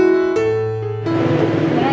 cái gì vậy